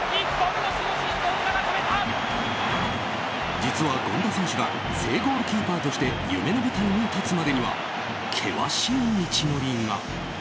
実は権田選手が正ゴールキーパーとして夢の舞台に立つまでには険しい道のりが。